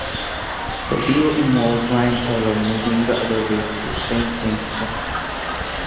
The deal involved Ryan Taylor moving the other way to Saint James' Park.